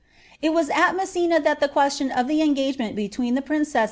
It was at Messina that the question of the engagement belwwa At princes!!